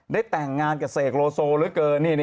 ได้แต่งงานกับเซฟโรโซเลยเกิน